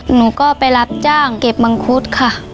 หนูก็ไปรับจ้างเก็บมังคุดค่ะ